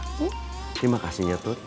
terima kasihnya tut